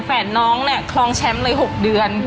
แฝดน้องคลองแชมป์เลย๖เดือน